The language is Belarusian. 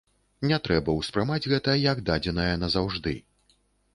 Не трэба ўспрымаць гэта як дадзенае на заўжды.